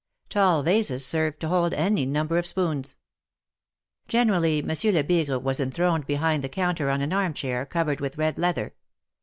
Tall vases served to hold any number of spoons. Generally, Monsieur Lebigre was enthroned behind the counter on an arm chair, covered with red leather.